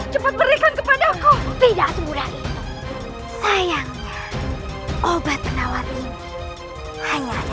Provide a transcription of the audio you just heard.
cepat berikan kepada aku tidak mudah sayang obat penawar ini hanya satu